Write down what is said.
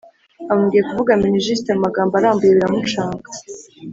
bamubwiye kuvuga minijuste mumagambo arambuye biramucanga